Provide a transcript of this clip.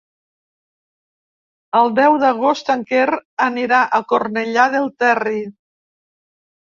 El deu d'agost en Quer anirà a Cornellà del Terri.